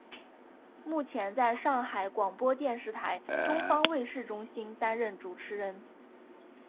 目前在上海广播电视台东方卫视中心担任主持人。